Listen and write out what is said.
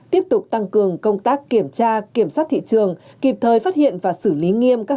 tiếp tục tăng cường công tác kiểm tra kiểm soát thị trường kịp thời phát hiện và xử lý nghiêm các